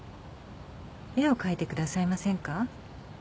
絵を描いてくださいませんか？